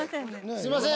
すいません！